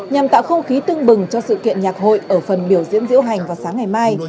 nhằm tạo không khí tưng bừng cho sự kiện nhạc hội ở phần biểu diễn diễu hành vào sáng ngày mai